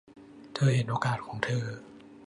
เธอเห็นโอกาสของเธอ